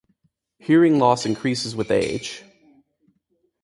Hearing loss increases with age.